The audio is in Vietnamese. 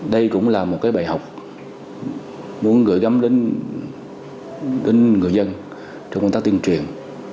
đây cũng là một bài học muốn gửi gắm đến người dân trong công tác tuyên truyền